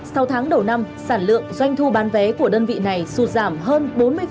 sau tháng đầu năm sản lượng doanh thu bán vé của đơn vị này sụt giảm hơn bốn mươi